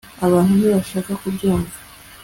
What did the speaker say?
Abantu ntibashaka kubyumva